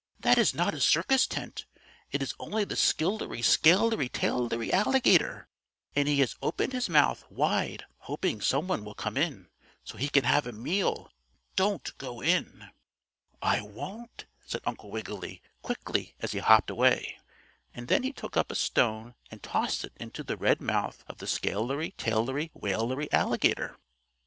"That is not a circus tent; it is only the skillery scalery tailery alligator, and he has opened his mouth wide hoping some one will come in, so he can have a meal. Don't go in." "I won't," said Uncle Wiggily, quickly as he hopped away, and then he took up a stone and tossed it into the red mouth of the scalery tailery wailery alligator.